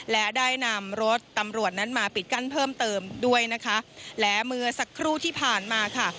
และได้นำรถตำรวจนั้นมาปิดกั้นเพิ่มเติมด้วยนะคะและเมื่อสักครู่ที่ผ่านมาค่ะ